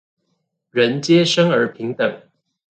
人皆生而平等